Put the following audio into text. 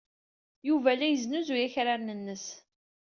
Yuba la yesnuzuy akraren-nnes.